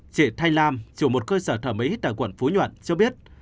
chị thanh lam chủ một cơ sở thẩm mỹ tại quận phú nhuận cho biết